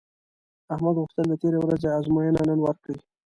احمد غوښتل د تېرې ورځې ازموینه نن ورکړي